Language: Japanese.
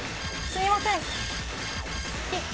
すいません！